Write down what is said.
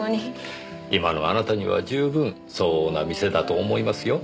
今のあなたには十分相応な店だと思いますよ。